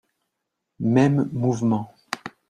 Mêmes mouvements